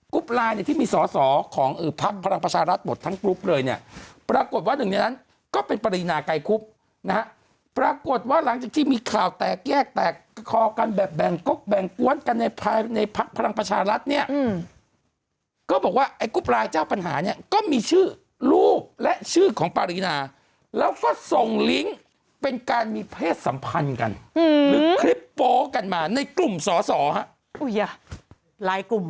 กรุ๊ปลายที่มีสอสอของภักดิ์ภักดิ์ภักดิ์ภักดิ์ภักดิ์ภักดิ์ภักดิ์ภักดิ์ภักดิ์ภักดิ์ภักดิ์ภักดิ์ภักดิ์ภักดิ์ภักดิ์ภักดิ์ภักดิ์ภักดิ์ภักดิ์ภักดิ์ภักดิ์ภักดิ์ภักดิ์ภักดิ์ภักดิ์ภักดิ์ภักดิ์ภักดิ์ภักดิ์